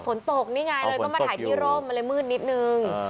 ฝนตกนี่ไงเลยต้องมาถ่ายที่ร่มมันเลยมืดนิดนึง